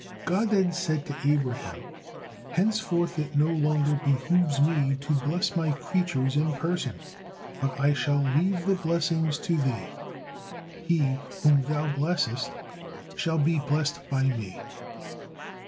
God then said to Abraham: "Henceforth it no longer behooves Me to bless My creatures in person, but I shall leave the blessings to thee: he whom thou blessest, shall be blessed by Me."